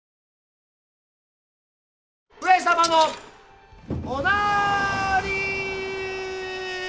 ・上様のおなーりー。